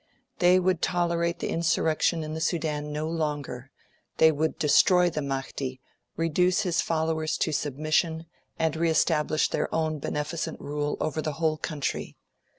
They would tolerate the insurrection in the Sudan no longer; they would destroy the Mahdi, reduce his followers to submission, and re establish their own beneficent rule over the whole country.